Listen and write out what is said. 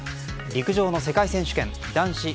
陸上の世界選手権。